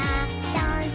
ダンス！